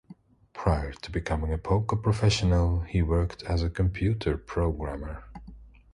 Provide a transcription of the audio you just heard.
Prior to becoming a poker professional, he worked as a computer programmer.